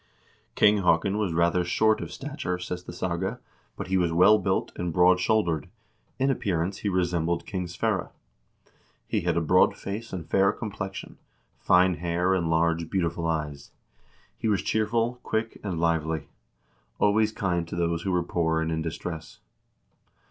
King Haakon was rather short of 416 HISTORY OF THE NORWEGIAN PEOPLE stature, says the saga, but he was well built and broad shouldered. In appearance he resembled King Sverre. He had a broad face and fair complexion, fine hair and large, beautiful eyes. He was cheerful, quick, and lively ; always kind to those who were poor and in dis tress.